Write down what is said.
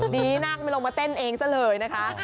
ดีนักไม่ลงมาเต้นเองซะเลยนะคะ